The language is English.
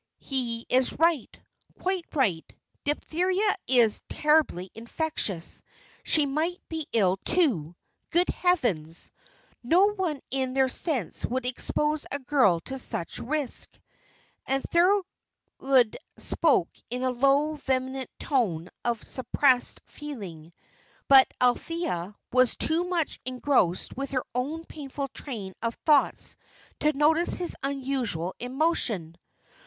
"He is right, quite right. Diphtheria is terribly infectious. She might be ill, too. Good heavens! No one in their sense would expose a girl to such a risk." And Thorold spoke in a low, vehement tone of suppressed feeling; but Althea was too much engrossed with her own painful train of thoughts to notice his unusual emotion.